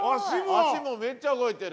脚もめっちゃ動いてる。